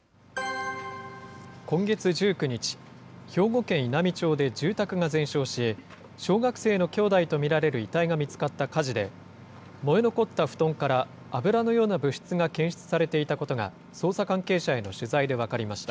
今月１９日、兵庫県稲美町で住宅が全焼し、小学生の兄弟と見られる遺体が見つかった火事で、燃え残った布団から油のような物質が検出されていたことが、捜査関係者への取材で分かりました。